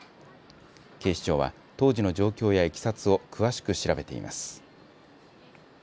警視庁はと当時の状況やいきさつを詳しく調べています。